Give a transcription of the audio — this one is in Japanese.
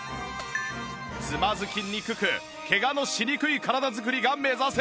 つまずきにくくケガのしにくい体づくりが目指せます